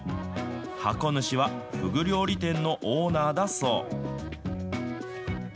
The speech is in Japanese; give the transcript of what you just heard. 箱主はふぐ料理店のオーナーだそう。